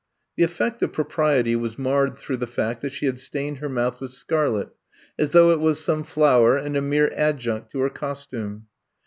The effect of propriety was marred through the fact that she had stained her mouth with scarlet, as though it was some flower and a mere adjunct to her costume.